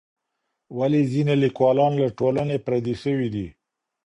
ولې ځينې ليکوالان له ټولني پردي سوي دي؟